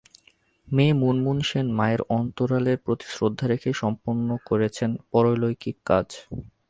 মেয়ে মুনমুন সেন মায়ের অন্তরালের প্রতি শ্রদ্ধা রেখেই সম্পন্ন করেছেন পারলৌকিক কাজ।